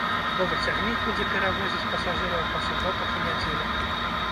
Новы цягнік будзе перавозіць пасажыраў па суботах і нядзелях.